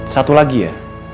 satu lagi ya